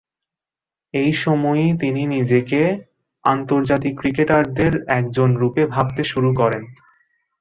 এ সময়ই তিনি নিজেকে আন্তর্জাতিক ক্রিকেটারদের একজনরূপে ভাবতে শুরু করেন।